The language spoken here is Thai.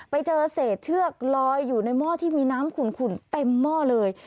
ไปเจอเศษเชือกลอยอยู่ในหม้อที่มีน้ำขุ่นเต็มหม้อเลย